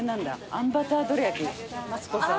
あんバターどら焼きマツコさん。